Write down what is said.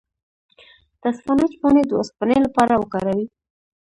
د اسفناج پاڼې د اوسپنې لپاره وکاروئ